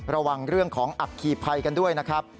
ระวังเรื่องของอัคคีภัยกันด้วยนะครับ